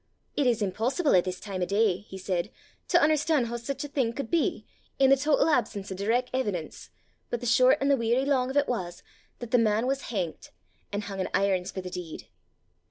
It is impossible at this time o' day,' he said, 'to un'erstan' hoo sic a thing could be i' the total absence o' direc' evidence, but the short an' the weary lang o' 't was, that the man was hangt, an' hung in irons for the deed.